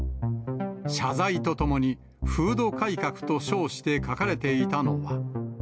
謝罪とともに、風土改革と称して書かれていたのは。